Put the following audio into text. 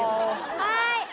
はい！